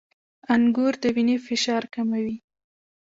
• انګور د وینې فشار کموي.